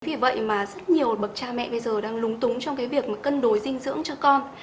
vì vậy mà rất nhiều bậc cha mẹ bây giờ đang lúng túng trong cái việc mà cân đối dinh dưỡng cho con